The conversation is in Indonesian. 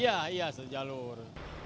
iya iya satu jalur